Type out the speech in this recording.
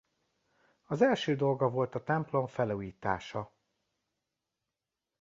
Az első dolga volt a templom felújítása.